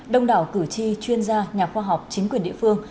đông đảo cử tri chuyên gia nhà khoa học chính quyền địa phương